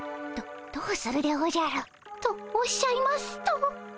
どどうするでおじゃる？とおっしゃいますと？